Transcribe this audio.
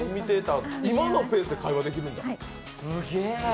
今のペースで会話できるんだ。